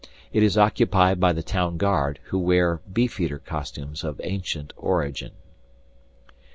It is occupied by the town guard, who wear 'beefeater' costumes of ancient origin."